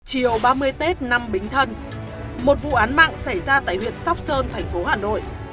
chiều ba mươi tết năm bính thân một vụ án mạng xảy ra tại huyện sóc sơn thành phố hà nội